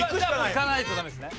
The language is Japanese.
いかないとダメですね。